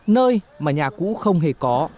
nơi mà nhà cũ không hề có